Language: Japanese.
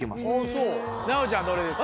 奈央ちゃんどれですか？